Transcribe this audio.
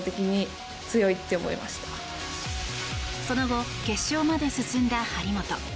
その後、決勝まで進んだ張本。